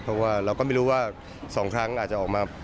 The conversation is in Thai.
เพราะว่าเราก็ไม่รู้ว่า๒ครั้งอาจจะออกมา